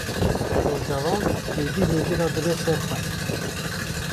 Rojava hêdî hêdî radibe ser xwe.